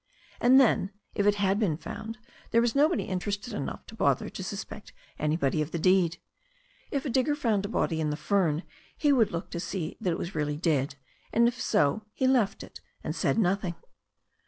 And then, if it had been found, there was nobody interested enough to bother to suspect anybody of the deed. If a digger found a body in the fern he would look to see that it was really dead, and if so he left it, and said nothing.